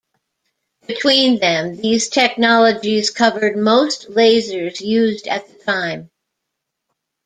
Between them, these technologies covered most lasers used at the time.